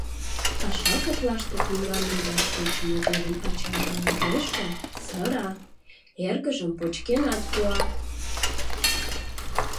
Паша коклаште книгам лудаш тӧчымӧ годым ачаже ужеш гын. сыра, эргыжым почкенат пуа.